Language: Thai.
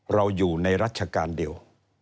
เราอยู่ในรัชกาลเดียว